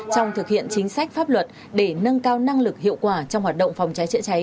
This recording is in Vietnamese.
trong thực hiện chính sách pháp luật để nâng cao năng lực hiệu quả trong hoạt động phòng cháy chữa cháy